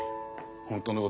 本当の事